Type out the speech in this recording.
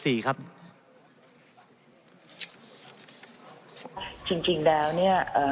จริงแล้วเนี่ย